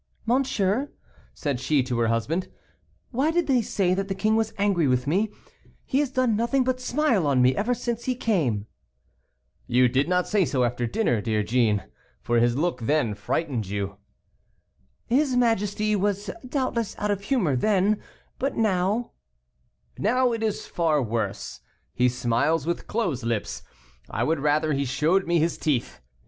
"Monsieur," said she to her husband, "why did they say that the king was angry with me; he has done nothing but smile on me ever since he came?" "You did not say so after dinner, dear Jeanne, for his look then frightened you." "His majesty was, doubtless, out of humor then, but now " "Now, it is far worse; he smiles with closed lips. I would rather he showed me his teeth.